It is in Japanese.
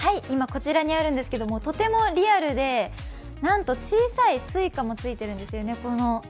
今こちらにあるんですけれども、とてもリアルで、なんと小さいＳｕｉｃａもついているんですよね。